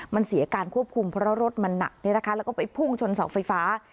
มันเสียการควบคุมเพราะรถมันหนักแล้วก็ไปพุ่งชนเสาไฟฟ้า